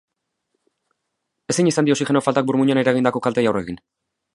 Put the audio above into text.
Ezin izan die oxigeno faltak burmuinean eragindako kalteei aurre egin.